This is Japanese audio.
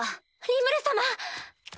リムル様！